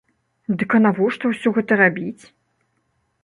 Дык а навошта ўсё гэта рабіць?!